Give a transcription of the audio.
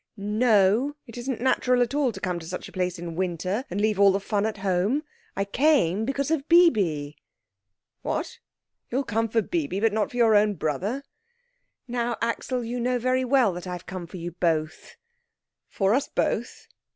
"No, it isn't natural at all to come to such a place in winter, and leave all the fun at home. I came because of Bibi." "What! You'll come for Bibi, but not for your own brother?" "Now, Axel, you know very well that I have come for you both." "For us both?